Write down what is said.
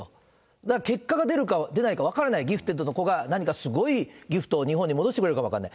だから結果が出るか出ないかは分からない、ギフテッドの子が何かすごいギフトを日本に戻してくれるかも分からない。